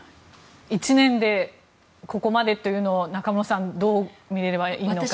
１年でここまでというのは中室さん、どう見ればいいんでしょうか。